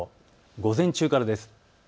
午前中からです。